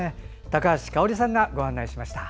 高橋香央里さんがご案内しました。